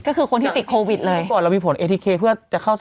ก็คือคนที่ติดโควิดเลย